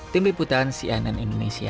tim liputan cnn indonesia